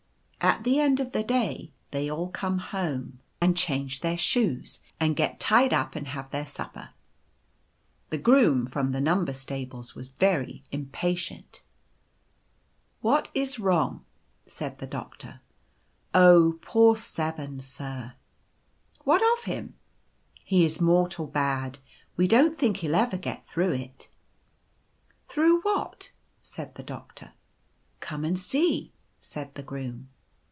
At the end of the day they all come home and 108 The Number Stables. change their shoes, and get tied up and have their supper. "The Groom from the Number Stables was very impatient. "' What is wrong ?' said the Doctor. <cc Oh, poor 7, sir/ "< What of him ?'" c He is mortal bad. We don't think he'll ever get through it/ " c Through what ?' said the Doctor. "* Come and see/ said the Groom.